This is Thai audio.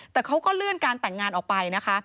แต่เขาก็เลื่อนการแต่งงานออกไปนะคะ